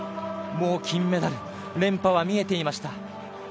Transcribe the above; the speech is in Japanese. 金メダル、連覇は見えていました。